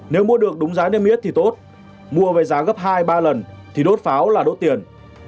nếu mua được đúng giá niêm yết thì tốt mua với giá gấp hai ba lần thì đốt pháo là đốt tiền